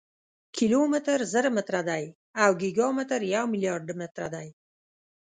کیلومتر زر متره دی او ګیګا متر یو ملیارډ متره دی.